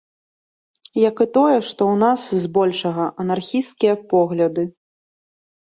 Як і тое, што ў нас збольшага анархісцкія погляды.